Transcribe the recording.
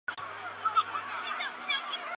张文庆追随田五成为首领之一。